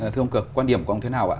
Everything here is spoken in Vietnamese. thưa ông cường quan điểm của ông thế nào ạ